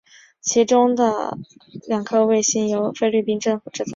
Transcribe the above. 其中的两颗卫星将由菲律宾政府制造。